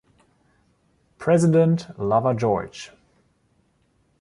President, lover George!